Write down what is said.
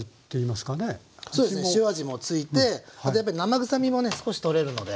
そうですね塩味もついてあとやっぱり生臭みもね少し取れるので。